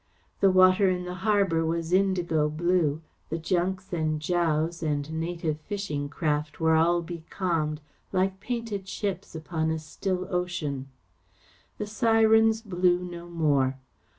The water in the harbour was indigo blue, the junks and dhows and native fishing craft were all becalmed, like painted ships upon a still ocean. The sirens blew no more.